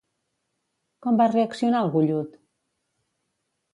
Com va reaccionar el gollut?